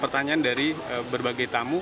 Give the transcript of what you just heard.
pertanyaan dari berbagai tamu